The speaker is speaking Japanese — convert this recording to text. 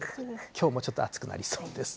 きょうもちょっと暑くなりそうです。